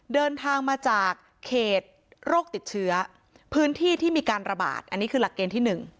เดินทางมาจากเขตโรคติดเชื้อพื้นที่ที่มีการระบาดอันนี้คือหลักเกณฑ์ที่๑